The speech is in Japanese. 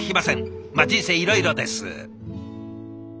まあ人生いろいろです。